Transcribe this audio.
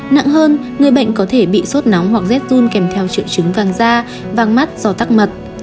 nặng hơn người bệnh có thể bị sốt nóng hoặc rét run kèm theo triệu chứng vang da vang mắt do tắc mật